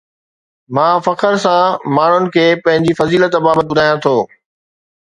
مان فخر سان ماڻهن کي پنهنجي فضيلت بابت ٻڌايان ٿو